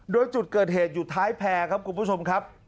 โดยจุดเกิดเหตุอยู่ท้ายแพร่ครับคุณผู้ชมครับ